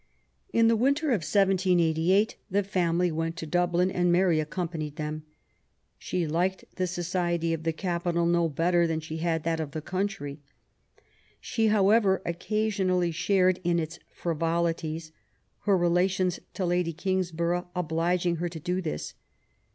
In the winter of 1788 the family went to Dublin, and Mary accompanied them. She liked the society of the capital no better than she had that of the country. She, however, occasionally shared in its frivolities, her relations to Lady Kingsborough obliging her to do this.